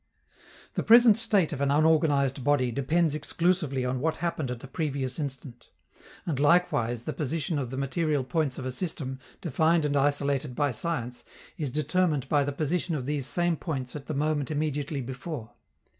The present state of an unorganized body depends exclusively on what happened at the previous instant; and likewise the position of the material points of a system defined and isolated by science is determined by the position of these same points at the moment immediately before.